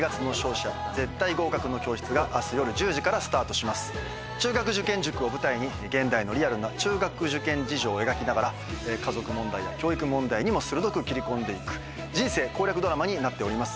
ここで最終問題に挑戦中の中学受験塾を舞台に現代のリアルな中学受験事情を描きながら家族問題や教育問題にも鋭く切り込んで行く人生攻略ドラマになっております。